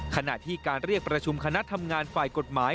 ขณะที่การเรียกประชุมคณะทำงานฝ่ายกฎหมาย